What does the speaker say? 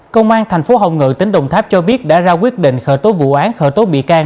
công an thành phố hồng ngự tỉnh đồng tháp cho biết đã ra quyết định khởi tố vụ án khởi tố bị can